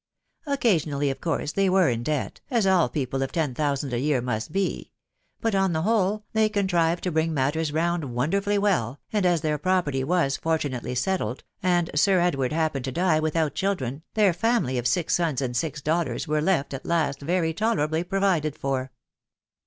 Occasionally, of course, they were in debt, as all people of ten thousand a year must be ; but, on the whole, they contrived to bring matters round wonderfully well, and as their property was fortunately settled, and Sir Edward happened to die without children, their family of six sons and six daughters were left at last very tolerably provided for.